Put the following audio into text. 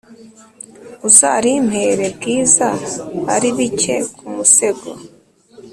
uzarimpere bwiza aribike kumusego